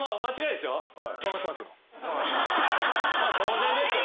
当然ですよね。